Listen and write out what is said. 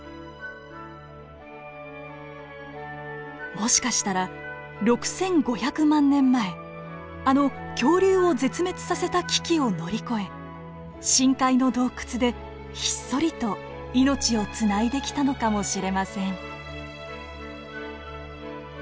もしかしたら６，５００万年前あの恐竜を絶滅させた危機を乗り越え深海の洞窟でひっそりと命をつないできたのかもしれません。